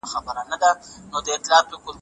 الاهي علم د ټولو مخلوقاتو لپاره عام دی.